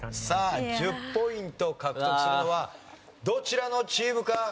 さあ１０ポイント獲得するのはどちらのチームか？